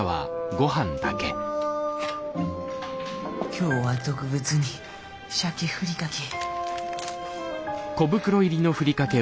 今日は特別に鮭ふりかけ。